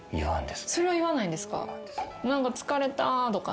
それは言わないんですか？